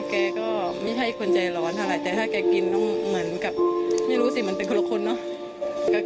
แกก็ไม่ใช่คนใจร้อนเท่าไหร่แต่ถ้าแกกินต้องเหมือนกับไม่รู้สิมันเป็นคนละคนเนอะ